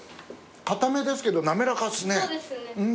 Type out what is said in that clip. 硬めですけど滑らかっすね。